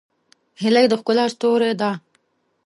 هیلۍ د ښکلا ستوری ده